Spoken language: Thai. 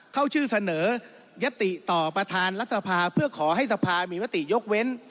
เข้าชื่อเสนอยติต่อประธานรัฐสภาเพื่อขอให้สภามีมติยกเว้น